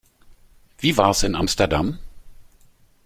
Wie war's in Amsterdam?